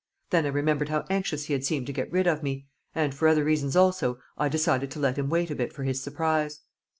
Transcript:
Then I remembered how anxious he had seemed to get rid of me, and for other reasons also I decided to let him wait a bit for his surprise.